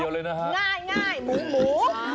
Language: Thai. ง่ายหมู